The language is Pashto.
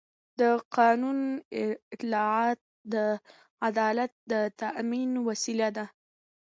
د قانون اطاعت د عدالت د تأمین وسیله ده